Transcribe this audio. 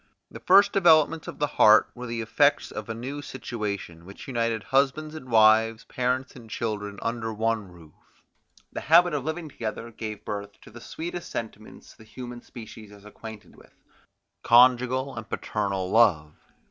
The first developments of the heart were the effects of a new situation, which united husbands and wives, parents and children, under one roof; the habit of living together gave birth to the sweetest sentiments the human species is acquainted with, conjugal and paternal love.